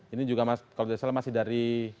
ini juga kalau tidak salah masih dari